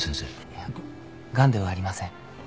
いやガンではありません。